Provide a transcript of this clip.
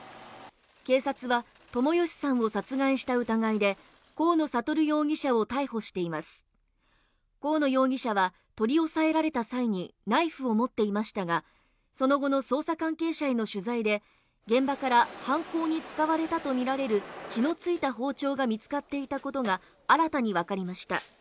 警察は友義さんを殺害した疑いで河野智容疑者を逮捕しています高野容疑者は取り押さえられた際にナイフを持っていましたがその後の捜査関係者への取材で現場から犯行に使われたと見られる血の付いた包丁が見つかっていたことが新たに分かりました